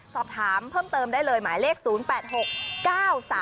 สอบถามเพิ่มเติมได้เลยหมายเลข๐๘๖๙๓